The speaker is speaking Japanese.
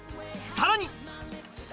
さらに！